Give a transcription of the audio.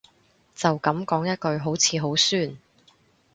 就噉講一句好似好酸